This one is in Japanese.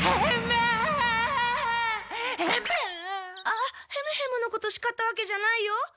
ああっヘムヘムのことしかったわけじゃないよ。